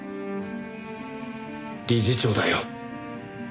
理事長だよ。